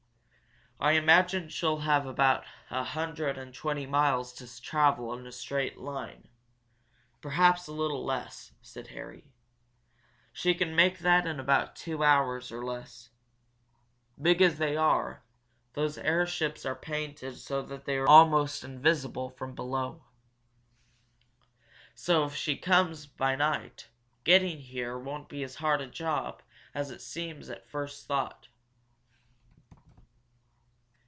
"I imagine she'll have about a hundred and twenty miles to travel in a straight line perhaps a little less," said Harry. "She can make that in about two hours, or less. Big as they are, those airships are painted so that they're almost invisible from below. So if she comes by night, getting here won't be as hard a job as it seems at first thought."